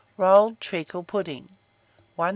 ROLLED TREACLE PUDDING. 1372.